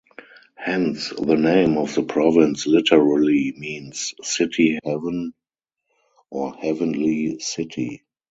Hence the name of the province literally means "city heaven" or "heavenly city".